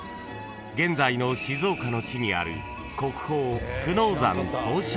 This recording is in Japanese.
［現在の静岡の地にある国宝］